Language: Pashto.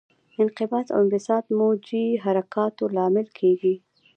انقباض او انبساط د موجي حرکاتو لامل کېږي.